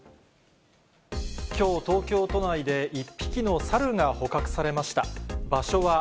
きょう、東京都内で１匹の猿が捕獲されました。